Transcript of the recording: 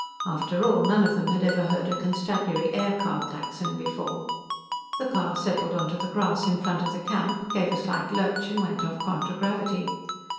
After all, none of them had ever heard a Constabulary aircar klaxon before. The car settled onto the grass in front of the camp, gave a slight lurch and went off contragravity.